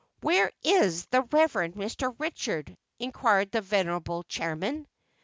"Where is the Rev. Mr. Richard?" inquired the venerable Chairman.